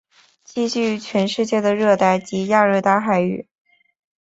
栖息于全世界的热带及亚热带海域。